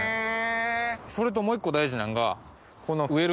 それともう１個大事なんがこの。